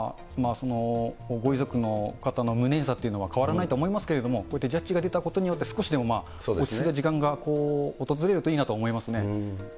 ご遺族の方の無念さというのは変わらないと思いますけれども、こうやってジャッジが出たことによって、少しでも落ち着いた時間が訪れるといいなと思いますね。